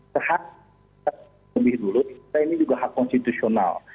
sehak lebih dulu ini juga hak konstitusional